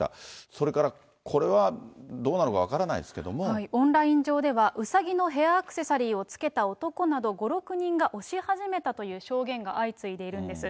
それからこれはどうなのか分からオンライン上では、ウサギのヘアアクセサリーをつけた男など５、６人が押し始めたという証言が相次いでいるんです。